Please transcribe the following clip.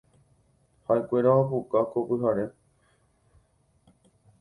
Ha’ekuéra opuka ko pyhare.